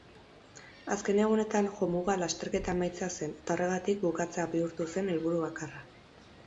Azken egunetan jomuga lasterketa amaitzea zen eta horregatik bukatzea bihurtu zen helburu bakarra.